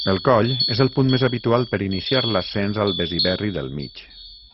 El coll és el punt més habitual per iniciar l'ascens al Besiberri del Mig.